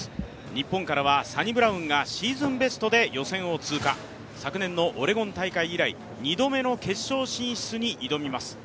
日本からはサニブラウンがシーズンベストで予選を通過、昨年のオレゴン大会以来、２度目の決勝進出に挑みます。